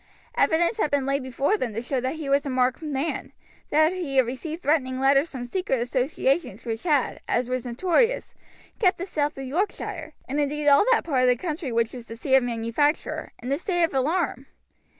Evidence had been laid before them to show that he was a marked man, that he had received threatening letters from secret associations which had, as was notorious, kept the south of Yorkshire, and indeed all that part of the country which was the seat of manufacture, in a state of alarm.